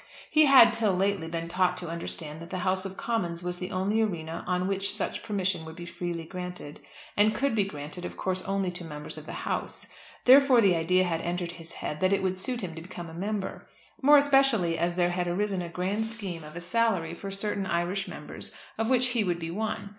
He had, till lately, been taught to understand that the House of Commons was the only arena on which such permission would be freely granted, and could be granted of course only to Members of the House. Therefore the idea had entered his head that it would suit him to become a member, more especially as there had arisen a grand scheme of a salary for certain Irish members of which he would be one.